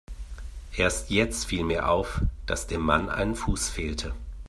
Erst jetzt viel mir auf, dass dem Mann ein Fuß fehlte.